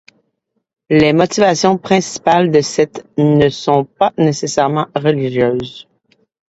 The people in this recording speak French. Les motivations principales de cette ne sont pas nécessairement religieuses.